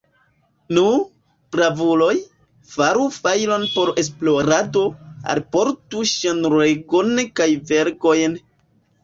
Nu, bravuloj, faru fajron por esplorado, alportu ŝnuregon kaj vergojn!